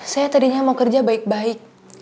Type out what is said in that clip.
saya tadinya mau kerja baik baik